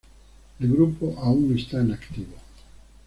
El grupo aún está en activo.